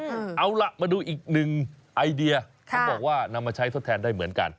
เอาล่ะมาดูอีกหนึ่งไอเดียเขาบอกว่านำมาใช้ทดแทนได้เหมือนกัน